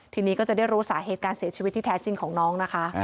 ทีนี้ก็จะได้รู้สาเหตุการเสียชีวิตที่แท้จริงของน้องนะคะ